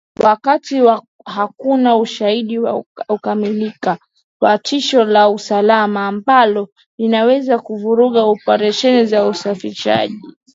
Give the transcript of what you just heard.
Wakati hakuna ushahidi wa kuaminika wa tishio la usalama ambalo linaweza kuvuruga operesheni za usafirishaji.